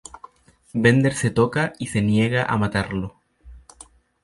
Bender se toca y se niega a matarlo.